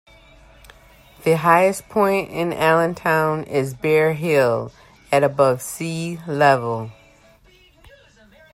The highest point in Allenstown is Bear Hill, at above sea level.